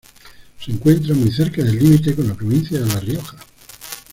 Se encuentra muy cerca del límite con la Provincia de La Rioja.